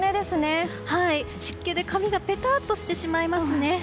湿気で髪がぺたっとしてしまいますね。